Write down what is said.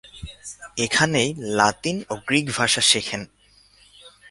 এখানেই লাতিন ও গ্রিক ভাষা শেখেন।